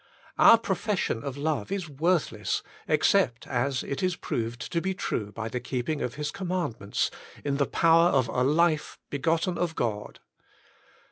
Our profession of love is worthless, except as it is proved to be true by the keeping of His commandments in the power of a life begotten of God.